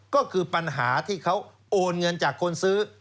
ก็คือปัญหาที่เขาโอนเงินจากคนซื้อ